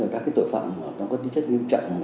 các cái tội phạm nó có tính chất nghiêm trọng